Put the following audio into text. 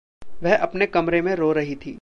वह अपने कमरे में रो रही थी।